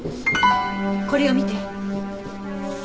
これを見て。